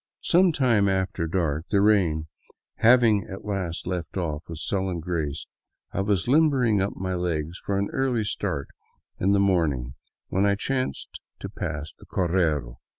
Some time after dark, the rain having at last left off with sullen grace, I was limbering up my legs for an early start in the morning when I chanced to pass the correo.